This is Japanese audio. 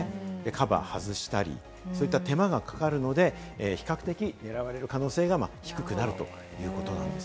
カバーを外したり、そういった手間がかかるので、比較的、狙われる可能性が低くなるということなんです。